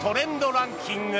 ランキング